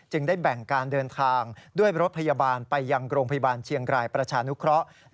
ได้แบ่งการเดินทางด้วยรถพยาบาลไปยังโรงพยาบาลเชียงรายประชานุเคราะห์